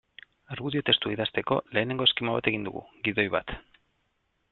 Argudio testua idazteko lehenengo eskema bat egin dugu, gidoi bat.